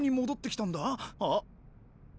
あっ。